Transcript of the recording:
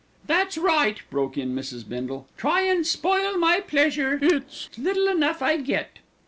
"That's right," broke in Mrs. Bindle, "try and spoil my pleasure, it's little enough I get."